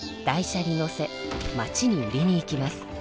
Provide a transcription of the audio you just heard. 台車にのせ町に売りにいきます。